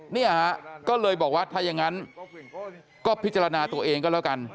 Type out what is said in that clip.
เนี่ยฮะก็เลยบอกว่าถ้าอย่างนั้นก็พิจารณาตัวเองก็แล้วกัน